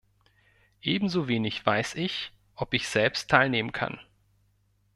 Ebenso wenig weiß ich, ob ich selbst teilnehmen kann.